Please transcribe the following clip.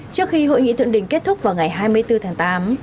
trước khi hội nghị thượng đỉnh kết thúc vào ngày hai mươi bốn tháng tám